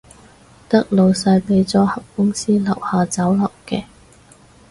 得老細畀咗盒公司樓下酒樓嘅